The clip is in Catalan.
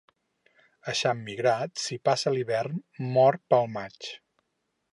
Eixam migrat, si passa l'hivern, mor pel maig.